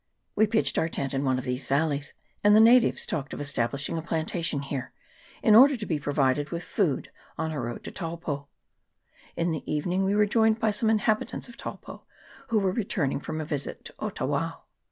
We pitched our tent in one of these valleys ; and the natives talked of esta blishing a plantation here, in order to be provided with food on their road to Taupo. In the evening we were joined by some inhabitants of Taupo, who were returning from a visit to Otawao.